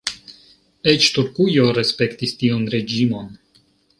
Eĉ Turkujo respektis tiun reĝimon.